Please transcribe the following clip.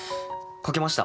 書けました。